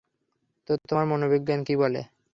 তো তোমার মনোবিজ্ঞান কি বলে?